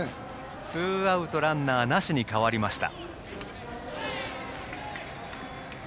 ツーアウトランナーなしに変わりました。